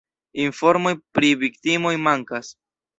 Informoj pri viktimoj mankas.